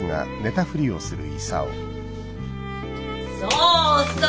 そうそう！